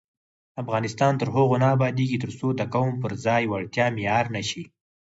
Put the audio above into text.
افغانستان تر هغو نه ابادیږي، ترڅو د قوم پر ځای وړتیا معیار نشي.